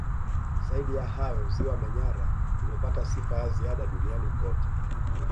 Zaidi ya hayo Ziwa Manyara limepata sifa ya ziada duniani kote